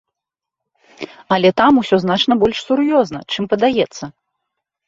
Але там усё значна больш сур'ёзна, чым падаецца.